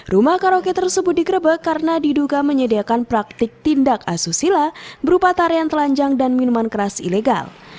rumah karaoke tersebut digerebek karena diduga menyediakan praktik tindak asusila berupa tarian telanjang dan minuman keras ilegal